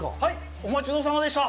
お待ち遠さまでした。